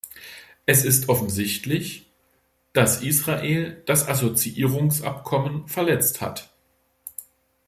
Es ist offensichtlich, dass Israel das Assoziierungsabkommen verletzt hat.